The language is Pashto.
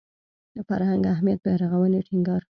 فرهنګ اهمیت بیارغاونې ټینګار